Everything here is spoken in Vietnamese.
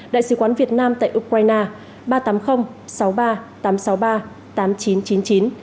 đại sứ quán việt nam tại ukraine